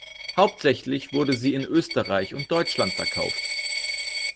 Hauptsächlich wurde sie in Österreich und Deutschland verkauft.